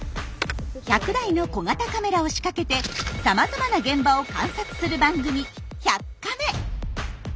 １００台の小型カメラを仕掛けてさまざまな現場を観察する番組「１００カメ」。